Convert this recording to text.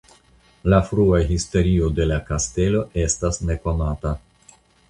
La frua historio de la kastelo estas nekonata.